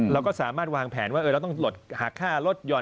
เราก็สามารถวางแผนว่าเราต้องหักค่าลด